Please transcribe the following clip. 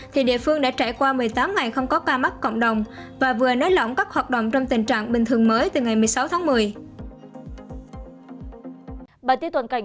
thì địa phương đã trải qua một mươi tám ngày không có ca mắc cộng đồng và vừa nới lỏng các hoạt động trong tình trạng bình thường mới từ ngày một mươi sáu tháng một mươi